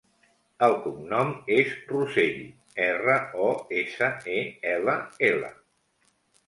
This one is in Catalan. El cognom és Rosell: erra, o, essa, e, ela, ela.